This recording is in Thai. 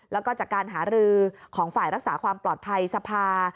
แล้วก็จากการหารือของฝ่ายรักษาความปลอดภัยสภา